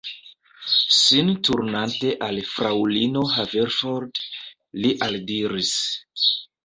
Sin turnante al fraŭlino Haverford, li aldiris: